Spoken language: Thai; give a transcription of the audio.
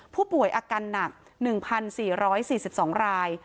ผู้ป่วยอาการหนัก๑๔๔๒ราย